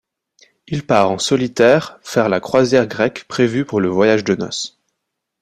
Il part en solitaire faire la croisière grecque prévue pour le voyage de noce.